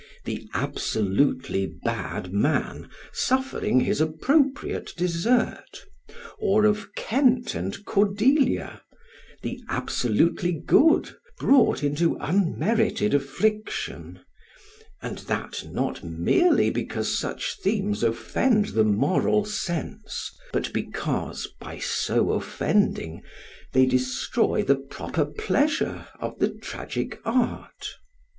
the absolutely bad man suffering his appropriate desert; or of Kent and Cordelia the absolutely good, brought into unmerited affliction; and that not merely because such themes offend the moral sense, but because by so offending they destroy the proper pleasure of the tragic art.